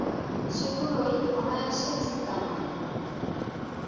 সেগুলোয় অনায়াসে জিততাম আমি।